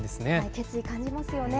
決意感じますよね。